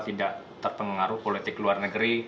tidak terpengaruh politik luar negeri